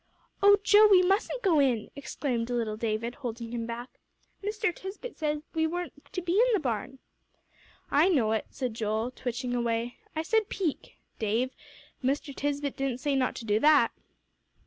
"Oh, Joe, we mustn't go in!" exclaimed little David, holding him back. "Mr. Tisbett said we weren't to be in the barn." "I know it," said Joel, twitching away. "I said peek, Dave. Mr. Tisbett didn't say not to do that."